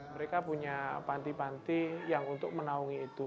mereka punya panti panti yang untuk menaungi itu